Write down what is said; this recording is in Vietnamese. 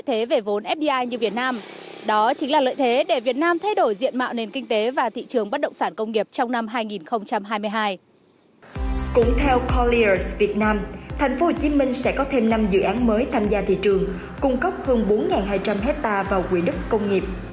cũng theo colira việt nam tp hcm sẽ có thêm năm dự án mới tham gia thị trường cung cấp hơn bốn hai trăm linh hectare vào quỹ đất công nghiệp